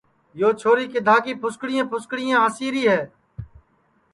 یو چھوری کِدھا کی پُھسکریں پُھسکریں ہاسی ری ہے